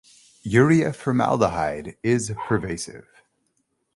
Urea-formaldehyde is pervasive.